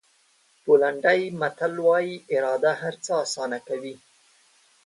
پولنډي متل وایي اراده هر څه آسانه کوي.